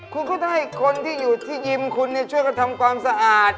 คุณก็ต้องให้คนที่อยู่ที่ยิมคุณช่วยกันทำความสะอาด